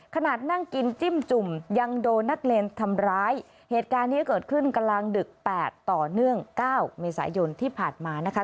ขนาดนั่งกินจิ้มจุ่มยังโดนนักเรียนทำร้ายเหตุการณ์นี้เกิดขึ้นกลางดึกแปดต่อเนื่อง๙เมษายนที่ผ่านมานะคะ